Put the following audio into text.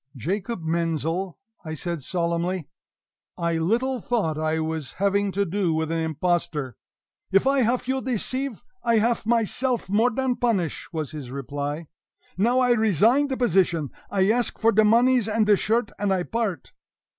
"Jacob Menzel!" said I solemnly, "I little thought I was having to do with an impostor!" "If I haf you deceive, I haf myself more dan punish!" was his reply. "Now I resign de position. I ask for de moneys and de shirt, and I part!"